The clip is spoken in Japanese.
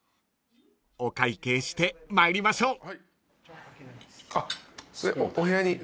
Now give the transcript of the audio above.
［お会計して参りましょう］